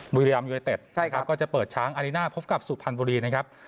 บุรีรัมยูไนเต็ดใช่ครับก็จะเปิดช้างอารีน่าพบกับสุพรรณบุรีนะครับ